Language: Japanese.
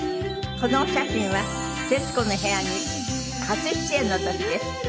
このお写真は『徹子の部屋』に初出演の時です。